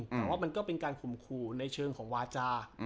แต่ว่ามันก็เป็นการข่มขู่ในเชิงของวาจา